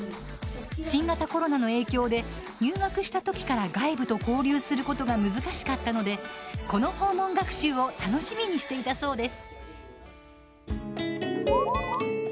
新型コロナの影響で入学したときから外部と交流することが難しかったのでこの訪問学習を楽しみにしていたそうです。